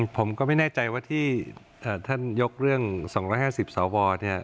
ผมก็ไม่แน่ใจว่าที่ท่านยกเรื่อง๒๕๐สวเนี่ย